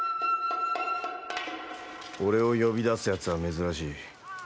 俺を呼び出すやつは珍しい。